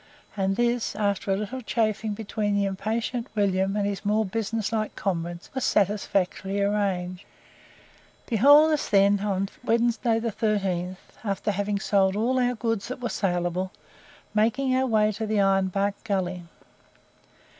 And this, after a little chaffing between the impatient William and his more business like comrades, was satisfactorily arranged. Behold us then, on Wednesday the 13th, after having sold all our goods that were saleable, making our way to the Iron Bark Gully.